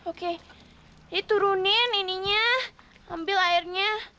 oke diturunin ininya ambil airnya